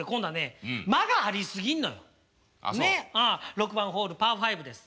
６番ホールパーファイブです。